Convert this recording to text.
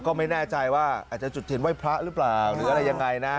ก็ไม่แน่ใจว่าอาจจะจุดเทียนไว้พระหรือเปล่าหรืออะไรยังไงนะ